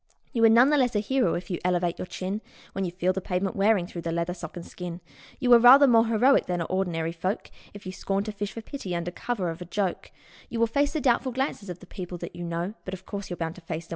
You are none the less a hero if you elevate your chin When you feel the pavement wearing through the leather, sock and skin; You are rather more heroic than are ordinary folk If you scorn to fish for pity under cover of a joke; You will face the doubtful glances of the people that you know ; But of course, you're bound to face them when your pants begin to go.